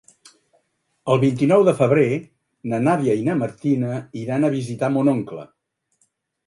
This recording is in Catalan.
El vint-i-nou de febrer na Nàdia i na Martina iran a visitar mon oncle.